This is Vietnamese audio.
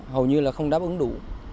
hầu như là không đáp ứng đủ